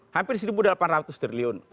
hampir rp satu delapan ratus triliun